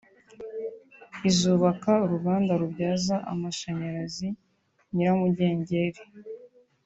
izubaka uruganda rubyaza amashanyarazi Nyiramugengeri